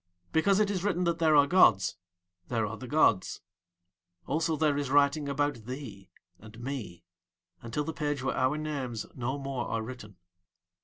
Because it is written that there are gods there are the gods. Also there is writing about thee and me until the page where our names no more are written.